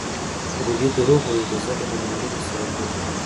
ګولي دروغ ويلي زه به د منګلي سره ګورم.